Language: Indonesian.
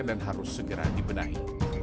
dan harus segera dibenahi